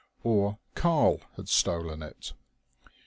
Or "Karl" had stolen it.